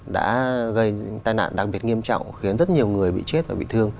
đã gây tai nạn đặc biệt nghiêm trọng khiến rất nhiều người bị chết và bị thương